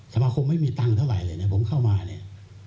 สมาคมไม่มีตังค์เท่าไหร่เลยนะผมเข้ามาเนี่ย